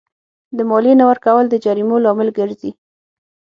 د مالیې نه ورکول د جریمو لامل ګرځي.